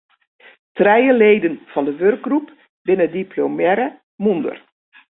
Trije leden fan de wurkgroep binne diplomearre mûnder.